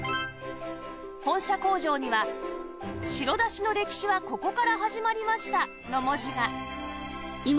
本社工場には「白だしの歴史はここから始まりました」の文字が